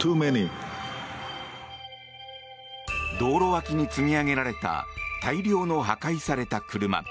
道路脇に積み上げられた大量の破壊された車。